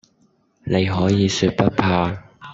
你可以說不怕